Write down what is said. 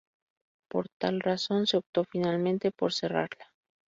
Por tal razón, se optó finalmente por cerrarla.